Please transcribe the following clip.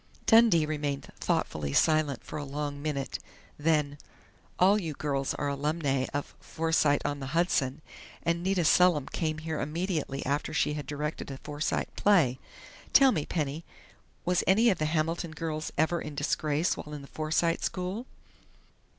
Dundee remained thoughtfully silent for a long minute. Then: "All you girls are alumnae of Forsyte on the Hudson, and Nita Selim came here immediately after she had directed a Forsyte play.... Tell me, Penny was any of the Hamilton girls ever in disgrace while in the Forsyte School?"